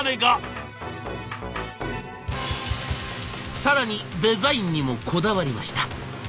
更にデザインにもこだわりました。